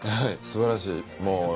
すばらしい。